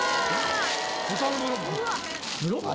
豚のブロック？